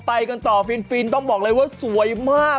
ไปกันต่อฟินต้องบอกเลยว่าสวยมาก